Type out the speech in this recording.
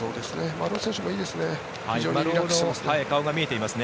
丸尾選手もいいですね。